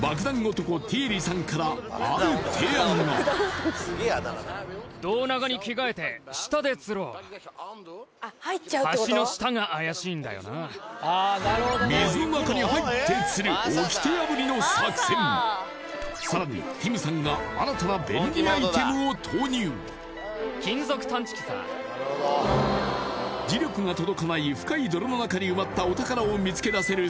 男ティエリさんからある提案が水の中に入って釣るおきて破りの作戦さらにティムさんがを投入磁力が届かない深い泥の中に埋まったお宝を見つけ出せる